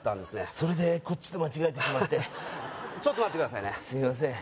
それでこっちと間違えてしまってちょっと待ってくださいねすいません